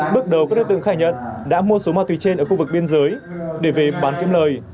bước đầu các đối tượng khai nhận đã mua số ma túy trên ở khu vực biên giới để về bán kiếm lời